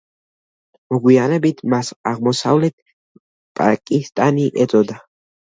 მოგვიანებით, მას აღმოსავლეთ პაკისტანი ეწოდა.